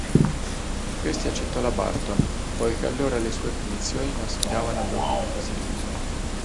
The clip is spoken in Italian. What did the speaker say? Questi accettò la Barton, poiché allora le sue predizioni non sfidavano l'ordine costituito.